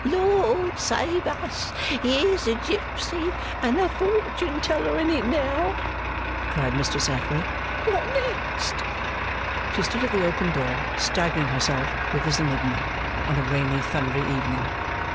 'Lord save us, here's a gipsy and a fortune teller in it now!' cried Mistress Affery. 'What next!' She stood at the open door, staggering herself with this enigma, on a rainy, thundery evening.